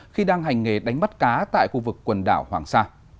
khi đang hành nghề đánh bắt cá tại khu vực quần đảo hoàng sa